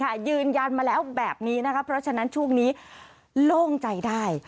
ยืนยันมาแล้วแบบนี้นะคะเพราะฉะนั้นช่วงนี้โล่งใจได้